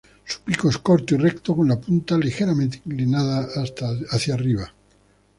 Su pico es corto y recto, con la punta ligeramente inclinada hacia arriba